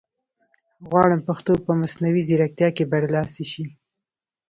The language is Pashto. غواړم پښتو په مصنوعي ځیرکتیا کې برلاسې شي